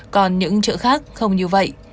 còn những chợ khác không như vậy